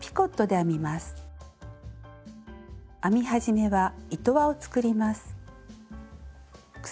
編み始めは糸輪を作ります。